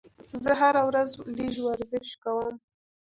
زه هره ورځ لږ ورزش کوم.